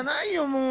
もう。